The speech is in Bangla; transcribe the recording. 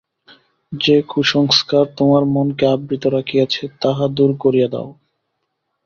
যে কুসংস্কার তোমার মনকে আবৃত রাখিয়াছে, তাহা দূর করিয়া দাও।